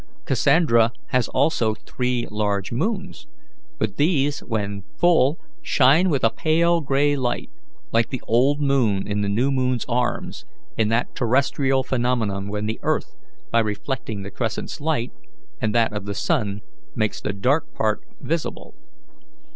Cassandra has also three large moons; but these, when full, shine with a pale grey light, like the old moon in the new moon's arms, in that terrestrial phenomenon when the earth, by reflecting the crescent's light, and that of the sun, makes the dark part visible.